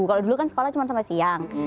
kalau dulu kan sekolah cuma sampai siang